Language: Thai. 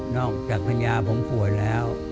นอกจากทันยาผมป่วยแล้ว